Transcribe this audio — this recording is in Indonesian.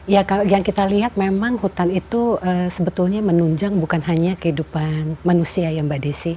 ya kalau yang kita lihat memang hutan itu sebetulnya menunjang bukan hanya kehidupan manusia ya mbak desi